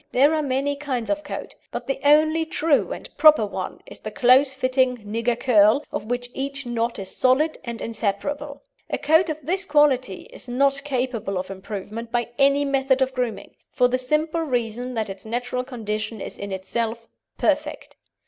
There are many kinds of coat, but the only true and proper one is the close fitting "nigger curl," of which each knot is solid and inseparable. A coat of this quality is not capable of improvement by any method of grooming, for the simple reason that its natural condition is in itself perfect.